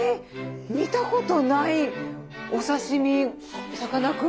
見たことないお刺身さかなクン。